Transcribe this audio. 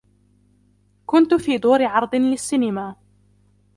كنت في دور عرض للسينما.